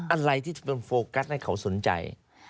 อะไรที่จะเป็นโฟกัสให้เขาสนใจ